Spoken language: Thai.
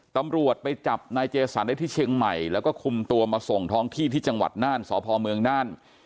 ตำรวจไปจับนายเจสันได้ที่เชียงใหม่แล้วก็คุมตัวมาส่งท้องที่ที่จังหวัดน่านสพเมืองน่าน